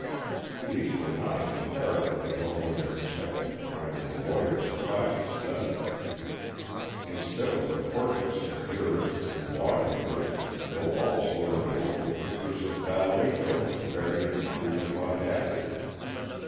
These were not of the character that one would have expected to find in a lawyer's private study. Instead of the portraits of jurists and law givers, the walls were adorned with pictures of ballet girls of varying degrees of audacity.